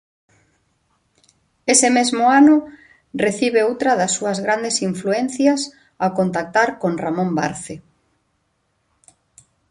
Ese mesmo ano recibe outra das súas grandes influencias ao contactar con Ramón Barce.